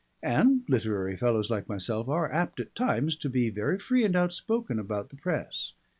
And literary fellows like myself are apt at times to be very free and outspoken about the press.